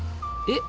え？